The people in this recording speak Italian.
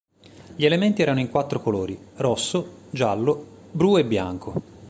Gli elementi erano in quattro colori: rosso, giallo, blu e bianco.